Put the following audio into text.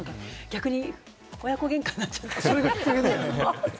逆に親子ゲンカになっちゃった。